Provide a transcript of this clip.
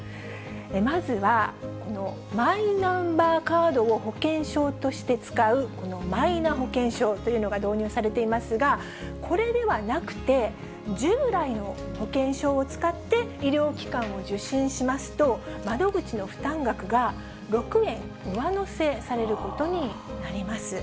まずは、マイナンバーカードを保険証として使う、このマイナ保険証というのが導入されていますが、これではなくて、従来の保険証を使って医療機関を受診しますと、窓口の負担額が６円上乗せされることになります。